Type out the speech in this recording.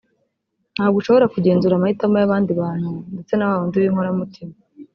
Ntabwo ushobora kugenzura amahitamo y’abandi bantu ndetse na wa wundi w’inkoramutima